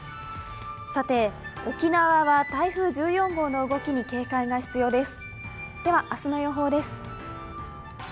さて沖縄は台風１４号の動きに警戒が必要です。